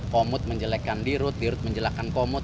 komut menjelekkan dirut dirut menjelekkan komut